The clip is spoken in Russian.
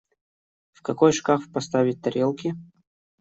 В какой шкаф поставить тарелки?